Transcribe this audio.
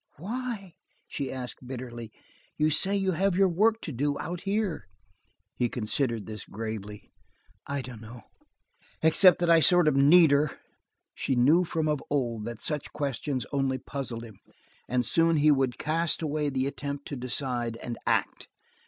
"Why?" she asked bitterly. "You say you have your work to do out here?" He considered this gravely. "I dunno. Except that I sort of need her." She knew from of old that such questions only puzzled him, and soon he would cast away the attempt to decide, and act.